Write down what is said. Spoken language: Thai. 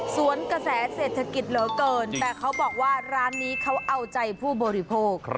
กระแสเศรษฐกิจเหลือเกินแต่เขาบอกว่าร้านนี้เขาเอาใจผู้บริโภค